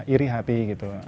iri hati gitu